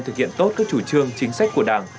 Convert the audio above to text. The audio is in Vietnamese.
thực hiện tốt các chủ trương chính sách của đảng